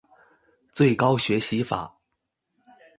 最高學習法